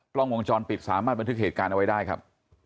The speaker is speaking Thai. กล้องวงจรปิดสามารถบันทึกเหตุการณ์เอาไว้ได้ครับ